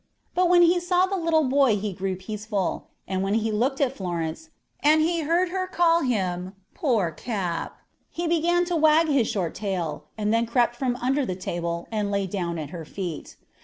But when he saw the little boy he grew peaceful, and when he looked at Florence, and heard her call him 'poor Cap,' he began to wag his short tail; and then crept from under the table, and lay down at her feet.